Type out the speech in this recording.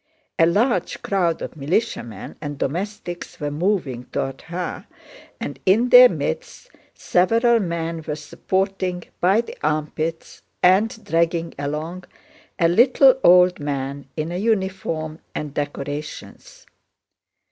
A large crowd of militiamen and domestics were moving toward her, and in their midst several men were supporting by the armpits and dragging along a little old man in a uniform and decorations.